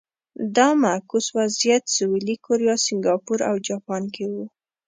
دا معکوس وضعیت سویلي کوریا، سینګاپور او جاپان کې و.